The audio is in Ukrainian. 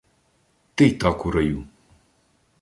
Ти й так у раю